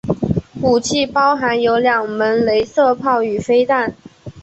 武器包含有两门雷射炮与飞弹。